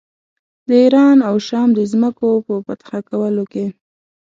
د ایران او شام د ځمکو په فتح کولو کې.